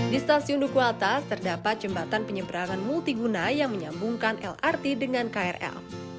di stasiun duku atas terdapat jembatan penyeberangan multiguna yang menyambungkan lrt dengan krl